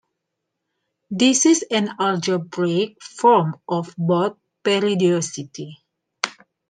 This is an algebraic form of Bott periodicity.